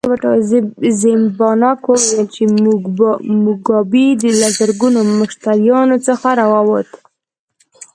زیمبانک وویل چې موګابي له زرګونو مشتریانو څخه راووت.